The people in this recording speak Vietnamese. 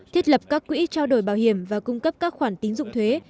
thiết lập các quỹ trao đổi bảo hiểm và cung cấp các khoản tín dụng thuế